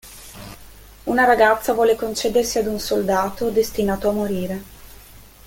Una ragazza vuole concedersi ad un soldato, destinato a morire.